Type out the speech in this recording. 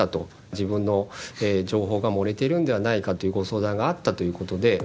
自分の情報が漏れてるんではないかというご相談があったということで。